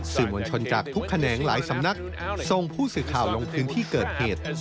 สื่อมวลชนจากทุกแขนงหลายสำนักส่งผู้สื่อข่าวลงพื้นที่เกิดเหตุ